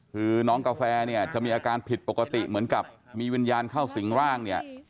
คือน้องกาแฟเนี่ยจะมีอาการผิดปกติเหมือนกับมีวิญญาณเข้าสิงร่างเนี่ย